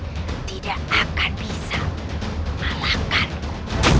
mereka tidak akan bisa mengalahkanku